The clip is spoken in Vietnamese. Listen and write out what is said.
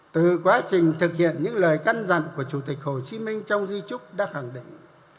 từ quá trình thực hiện những lời căn dặn của chủ tịch hồ chí minh trong di trúc đã khẳng định